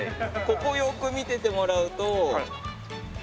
ここよく見ててもらうと。